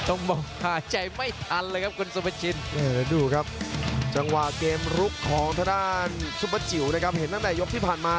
อู้วเปิดเกมบุกอย่างหนักเลยครับ